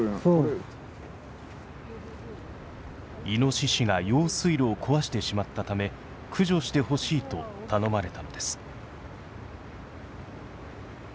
イノシシが用水路を壊してしまったため駆除してほしいと頼まれたのです。